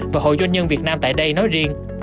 và hội doanh nhân việt nam tại đây nói riêng